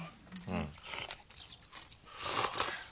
うん？